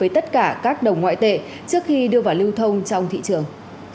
công ty đưa ra những biện pháp này với tất cả các đồng ngoại tệ trước khi đưa vào lưu thông trong thị trường